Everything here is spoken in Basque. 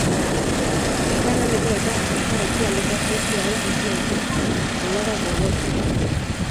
Iparraldeko eta ipar-ekialdeko haize ahul-bizia ibiliko da, bolada gogorrekin.